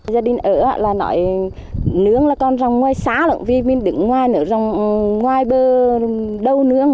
gia đình ở là nói nướng là con rồng ngoài xá vì mình đứng ngoài nữa rồng ngoài bờ đâu nướng